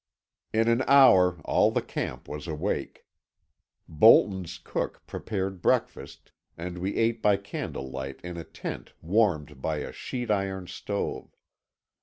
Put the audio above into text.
In an hour all the camp was awake. Bolton's cook prepared breakfast, and we ate by candle light in a tent warmed by a sheet iron stove.